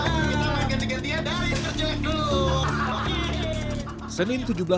kita akan ganti gantian dari kerjaan dulu